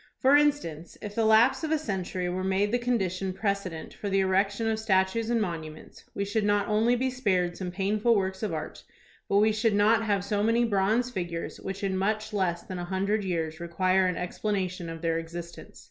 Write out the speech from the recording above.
For instance, if the lapse of a century were made the condition precedent for the erection of statues and monuments, we should not only be spared some painful works of art, but we should not have so many bronze figures which in much less than a hundred years require an explanation of their existence.